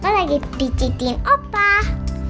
aku lagi pijitin opah